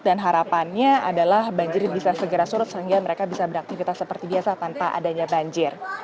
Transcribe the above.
harapannya adalah banjir bisa segera surut sehingga mereka bisa beraktivitas seperti biasa tanpa adanya banjir